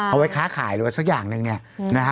เอาไว้ค้าขายหรือว่าสักอย่างหนึ่งเนี่ยนะฮะ